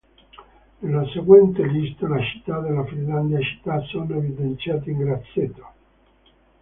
Nella seguente lista le città della Finlandia città sono evidenziate in grassetto.